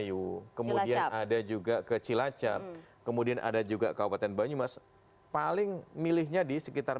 oke ini daerah sini ya